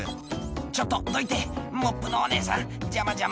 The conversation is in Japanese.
「ちょっとどいてモップのお姉さん邪魔邪魔」